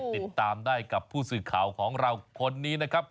ติดตามได้กับผู้สื่อข่าวของเราคนนี้นะครับ